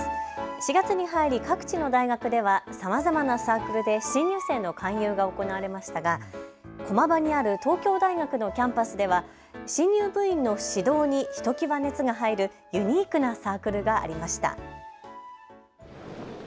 ４月に入り各地の大学ではさまざまなサークルで新入生の勧誘が行われましたが駒場にある東京大学のキャンパスでは新入部員の指導にひときわ熱が入るユニークなサークルがありました。